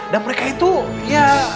dan mereka itu ya